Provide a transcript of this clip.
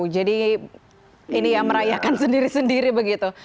jadi ini ya merayakan sendiri sendiri begitu